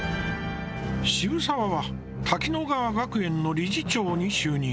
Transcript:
渋沢は滝乃川学園の理事長に就任。